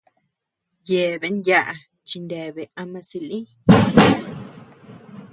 Yeabean yaʼa chineabea ama silï.